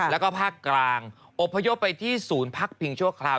แล้วก็ภาคกลางอบพยพไปที่ศูนย์พักพิงชั่วคราว